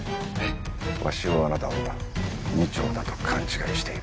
鷲男はあなたを二丁だと勘違いしている。